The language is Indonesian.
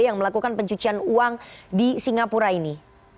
yang melakukan pencucian uang di singapura ini